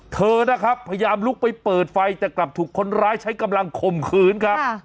เธอนะครับพยายามลุกไปเปิดไฟแต่กลับถูกคนร้ายใช้กำลังข่มขืนครับ